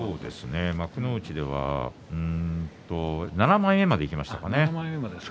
幕内では７枚目までいきましたかね。